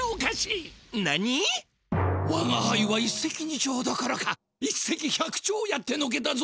わがはいは一石二鳥どころか一石百鳥をやってのけたぞ！